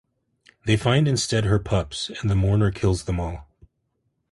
They find instead her pups, and the mourner kills them all.